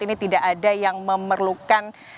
ini tidak ada yang memerlukan